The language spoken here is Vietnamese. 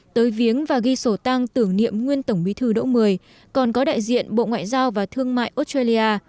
tới viếng và ghi sổ tăng tưởng niệm nguyên tổng bí thư đỗ mười còn có đại diện bộ ngoại giao và thương mại australia